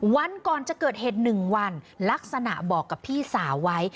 วันก่อนจะเกิดเหตุ๑วันลักษณะบอกกับพี่สาวไว้